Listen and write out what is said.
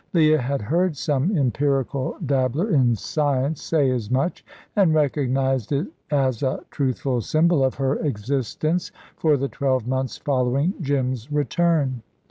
Leah had heard some empirical dabbler in science say as much, and recognised it as a truthful symbol of her existence for the twelve months following Jim's return.